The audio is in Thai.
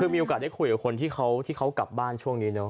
คือมีโอกาสได้คุยกับคนที่เขากลับบ้านช่วงนี้เนอะ